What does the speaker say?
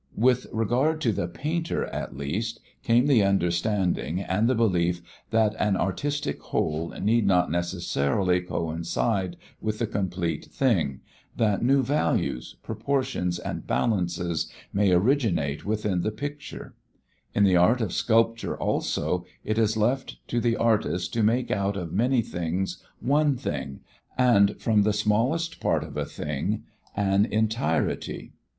With regard to the painter, at least, came the understanding and the belief that an artistic whole need not necessarily coincide with the complete thing, that new values, proportions and balances may originate within the pictures. In the art of sculpture, also, it is left to the artist to make out of many things one thing, and from the smallest part of a thing an entirety.